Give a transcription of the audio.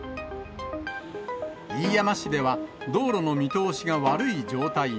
飯山市では、道路の見通しが悪い状態に。